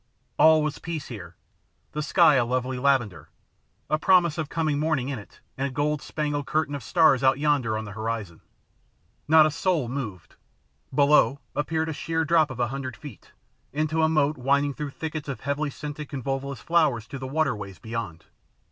All was peace here; the sky a lovely lavender, a promise of coming morning in it, and a gold spangled curtain of stars out yonder on the horizon. Not a soul moved. Below appeared a sheer drop of a hundred feet into a moat winding through thickets of heavy scented convolvulus flowers to the waterways beyond.